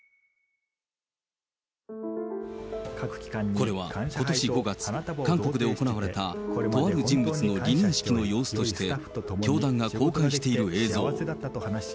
これはことし５月、韓国で行われた、とある人物の離任式の様子として、教団が公開している映像。